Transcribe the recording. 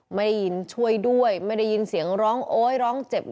ไม่ได้ยินช่วยด้วยไม่ได้ยินเสียงร้องโอ๊ยร้องเจ็บ